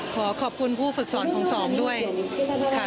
ขอขอบคุณผู้ฝึกสอนของสองด้วยค่ะ